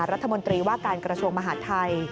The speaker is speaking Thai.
รัฐมนตรีว่าการกระทรวงมหาดไทย